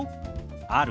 「ある？」。